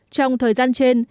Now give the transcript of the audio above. trong thời gian trên